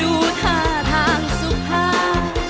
ดูท่าทางสุภาพ